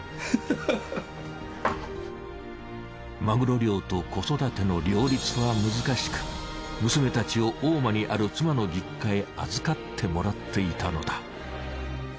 マグロ漁と子育ての両立は難しく娘たちを大間にある妻の実家へ預かってもらっていたのだ。